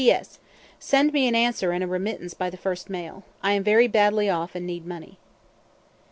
"P.S. Send me an answer and a remittance by the first mail. I am very badly off and need money."